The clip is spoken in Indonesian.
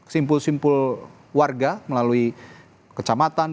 simpul simpul warga melalui kecamatan